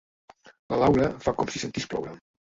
La Laura fa com si sentís ploure.